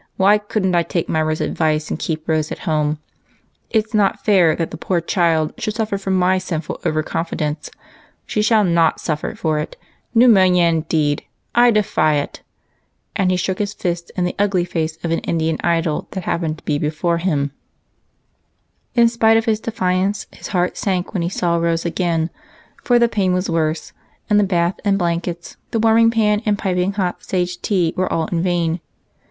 why could n't I take Myra's advice and keep Rose at home. It's not fair that the poor child should suffer for my sinful over confidence. She shall not suffer for it ! Pneumonia, indeed ! I defy it !" and he shook his fist in the ugly face of an Indian idol that happened to be before him, as if that particularly, hideous god had some spite against his own little god dess. In spite of his defiance his heart sunk when he saw Rose again, for the pain was worse, and the bath and blankets, the warming pan and piping hot sage tea, were all in vain.